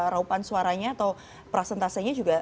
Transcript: raupan suaranya atau presentasenya juga